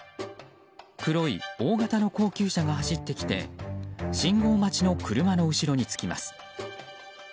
黒い大型の高級車が走ってきて信号待ちの車の後ろにつきます。